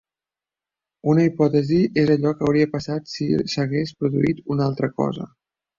Una hipòtesi és allò que hauria passat si s'hagués produït una altra cosa.